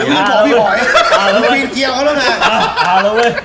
นึกมึงบอกพี่หอยดูปีนเกียวเค้าแล้วนะ